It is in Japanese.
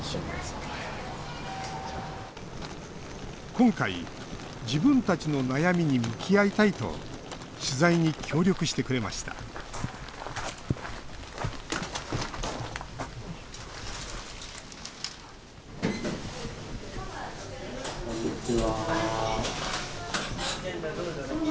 今回、自分たちの悩みに向き合いたいと取材に協力してくれましたこんにちは。